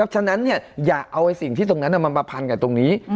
ฉะนั้นอย่าเอาสิ่งที่ตรงนั้นมันมาพันกับตรงนี้